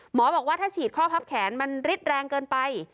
หมอบอกว่าถ้าฉีดข้อพับแขนมันริดแรงเกินไป